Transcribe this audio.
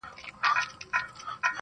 څوك به بولي له آمو تر اباسينه؛